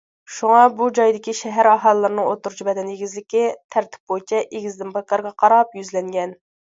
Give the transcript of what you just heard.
شۇڭا، بۇ جايدىكى شەھەر ئاھالىلىرىنىڭ ئوتتۇرىچە بەدەن ئېگىزلىكى تەرتىپ بويىچە ئېگىزدىن پاكارغا قاراپ يۈزلەنگەن.